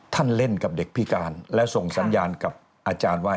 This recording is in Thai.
เล่นกับเด็กพิการและส่งสัญญาณกับอาจารย์ว่า